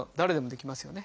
できますよね。